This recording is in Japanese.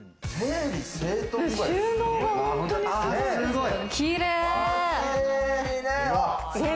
収納が本当にすごい！